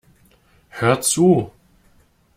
Hör zu!